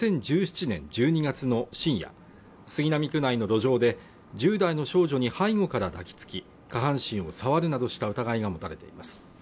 知年１２月の深夜、杉並区内の路上で１０代の少女に背後から抱きつき、下半身を触るなどした疑いが持たれています。